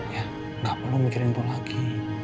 ya gak perlu mikirin itu lagi